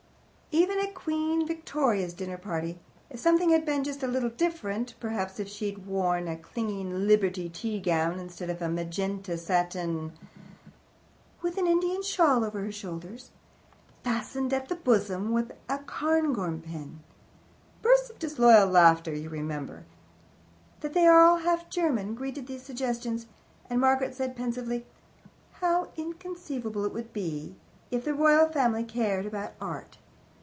Even at Queen Victoria's dinner party if something had been just a little different perhaps if she'd worn a clinging Liberty tea gown instead of a magenta satin " "With an Indian shawl over her shoulders " "Fastened at the bosom with a Cairngorm pin " Bursts of disloyal laughter you must remember that they are half German greeted these suggestions, and Margaret said pensively, "How inconceivable it would be if the Royal Family cared about Art."